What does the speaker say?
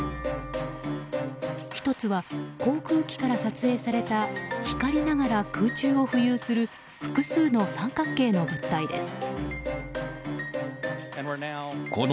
１つは航空機から撮影された光りながら空中を浮遊する複数の三角形の物体です。